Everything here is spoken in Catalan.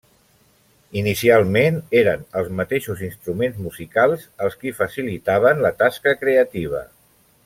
Inicialment eren els mateixos instruments musicals els qui facilitaven la tasca creativa.